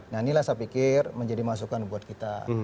nah inilah saya pikir menjadi masukan buat kita